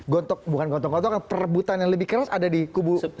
gontok bukan gontok gontok perebutan yang lebih keras ada di kubu petahana